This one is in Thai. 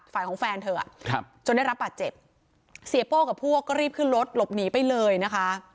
ฝ่ายของแฟนเธออ่ะครับจนได้รับบาดเจ็บเสียโป้กับพวกก็รีบขึ้นรถหลบหนีไปเลยนะคะ